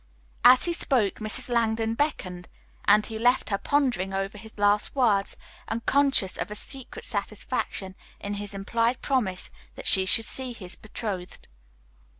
As he spoke, Mrs. Langdon beckoned, and he left her pondering over his last words, and conscious of a secret satisfaction in his implied promise that she should see his betrothed.